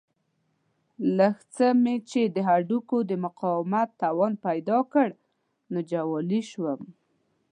لږ څه مې چې هډوکو د مقاومت توان پیدا کړ نو جوالي شوم.